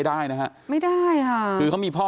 เดี๋ยวให้กลางกินขนม